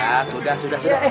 ya sudah sudah